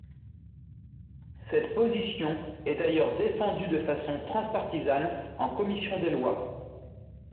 Cette position est d’ailleurs défendue de façon transpartisane en commission des lois.